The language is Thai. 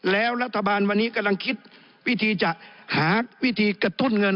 แล้วรัฐบาลวันนี้กำลังคิดวิธีจะหาวิธีกระตุ้นเงิน